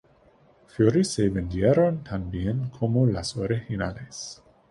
Fury se vendieron tan bien como las originales!